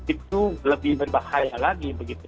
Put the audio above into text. itu lebih berbahaya lagi